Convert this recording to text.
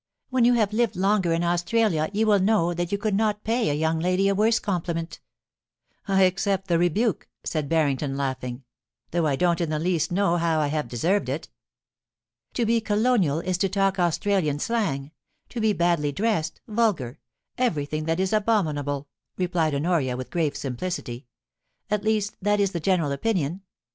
* When you have lived longer in Australia you will know that you could not pay a young lady a worse compUment' * I accept the rebuke/ said Barrington, laughing, * though I don't in the least know how I have deserved it' * To be colonial is to talk Australian slang ; to be badly dressed, vulgar, everything that is abominable,' replied Honoria with grave simplicity ; at least that is the general opinion.